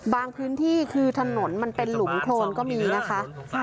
พื้นที่คือถนนมันเป็นหลุมโครนก็มีนะคะ